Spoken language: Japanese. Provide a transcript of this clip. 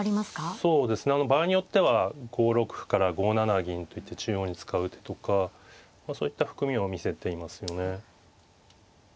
そうですね場合によっては５六歩から５七銀と行って中央に使う手とかそういった含みを見せていますよね。